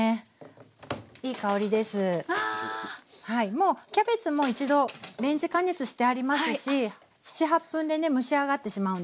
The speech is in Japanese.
もうキャベツも一度レンジ加熱してありますし７８分でね蒸し上がってしまうんですね